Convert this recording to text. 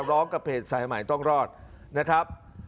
ร้องกับเพจสายใหม่ต้องรอดนะครับ